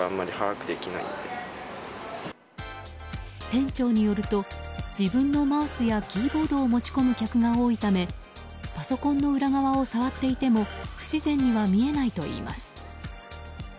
店長によると自分のマウスやキーボードを持ち込む客が多いためパソコンの裏側を触っていても不自然には見えないといいます。